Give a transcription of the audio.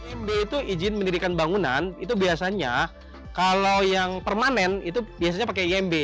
imb itu izin mendirikan bangunan itu biasanya kalau yang permanen itu biasanya pakai imb